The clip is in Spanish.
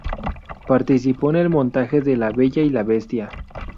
Participó en el montaje de "La Bella y La Bestia".